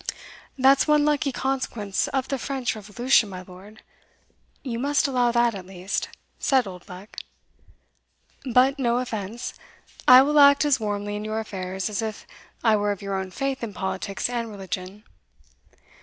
"That's one lucky consequence of the French, revolution, my lord you must allow that, at least," said Oldbuck: "but no offence; I will act as warmly in your affairs as if I were of your own faith in politics and religion.